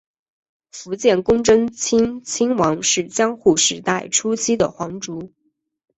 伏见宫贞清亲王是江户时代初期的皇族。